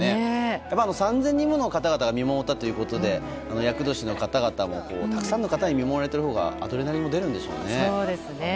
やっぱり３０００人もの人が見守ったということで厄年の方々も、たくさんの方々に見守られているほうがアドレナリンも出るんでしょうね。